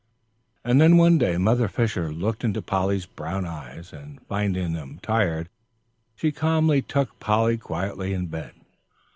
And then one day Mother Fisher looked into Polly's brown eyes, and finding them tired, she calmly tucked Polly quietly in bed.